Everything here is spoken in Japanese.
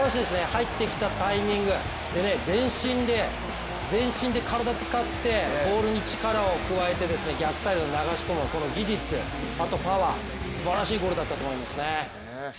入ってきたタイミング、全身で体使ってボールに力を加えて、逆サイドに流れ込む、この技術、あとパワー、すばらしいゴールだったと思いますね。